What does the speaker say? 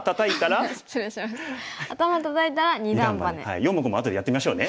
四目も後でやってみましょうね。